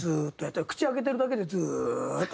口開けてるだけでずっと。